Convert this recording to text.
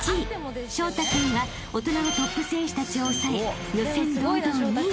［彰太君は大人のトップ選手たちを抑え予選堂々２位］